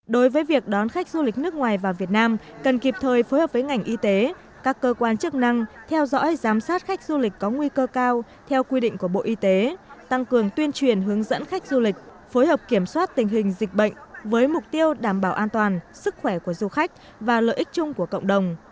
đối với việc đón khách du lịch nước ngoài vào việt nam cần kịp thời phối hợp với ngành y tế các cơ quan chức năng theo dõi giám sát khách du lịch có nguy cơ cao theo quy định của bộ y tế tăng cường tuyên truyền hướng dẫn khách du lịch phối hợp kiểm soát tình hình dịch bệnh với mục tiêu đảm bảo an toàn sức khỏe của du khách và lợi ích chung của cộng đồng